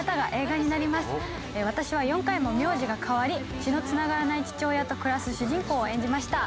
私は４回も名字が変わり血のつながらない父親と暮らす主人公を演じました。